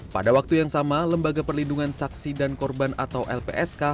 pada waktu yang sama lembaga perlindungan saksi dan korban atau lpsk